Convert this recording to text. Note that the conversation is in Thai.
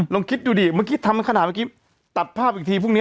ลองคิดดูดิเมื่อกี้ทำขนาดเมื่อกี้ตัดภาพอีกทีพรุ่งนี้